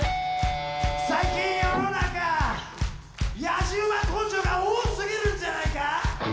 最近世の中やじ馬根性が多すぎるんじゃないか？